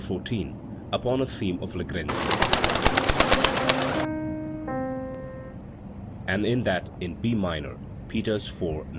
14) upon a theme of Legrenzi and in that in B minor (Peters IV, No.